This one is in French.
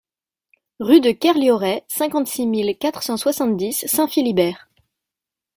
Rue de Kerlioret, cinquante-six mille quatre cent soixante-dix Saint-Philibert